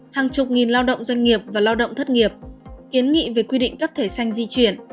hàng chục nghìn lao động doanh nghiệp và lao động thất nghiệp kiến nghị về quy định cấp thẻ xanh di chuyển